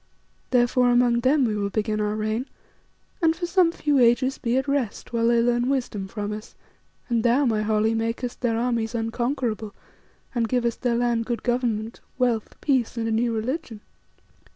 Therefore among them we will begin our reign and for some few ages be at rest while they learn wisdom from us, and thou, my Holly, makest their armies unconquerable and givest their land good government, wealth, peace, and a new religion."